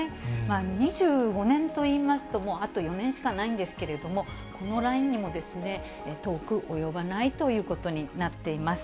２５年といいますと、もうあと４年しかないんですけれども、このラインにも遠く及ばないということになっています。